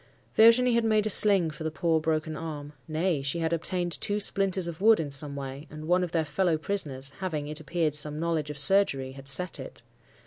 "Virginie had made a sling for the poor broken arm; nay, she had obtained two splinters of wood in some way, and one of their fellow prisoners—having, it appeared, some knowledge of surgery—had set it.